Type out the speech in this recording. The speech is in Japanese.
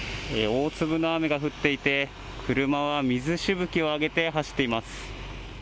大粒の雨が降っていて、車は水しぶきを上げて走っています。